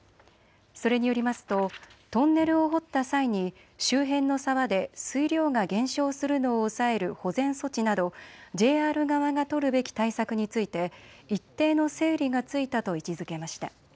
それによりますとトンネルを掘った際に周辺の沢で水量が減少するのを抑える保全措置などＪＲ側が取るべき対策について一定の整理がついたと位置づけました。